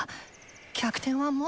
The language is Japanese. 逆転はもう。